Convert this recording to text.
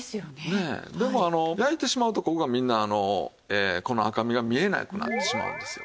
でも焼いてしまうとここがみんなあのこの赤身が見えなくなってしまうんですよ。